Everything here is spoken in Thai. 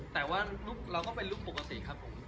แต่ว่าลูกเราก็เป็นลุคปกติครับผม